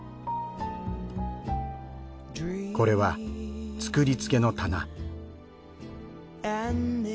これは作りつけの棚。